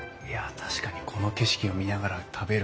確かにこの景色を見ながら食べる